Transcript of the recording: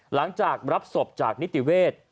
หลังจากรับศพจากนิติเวศ